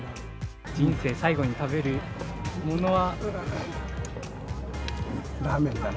人生最後に食べるものは？